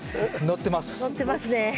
のってますね。